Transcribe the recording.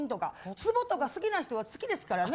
つぼとか好きな人は好きですからね。